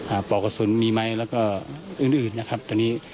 อ่าป่องกระสุนมีไหมและก็อื่นนะครับตอนนี้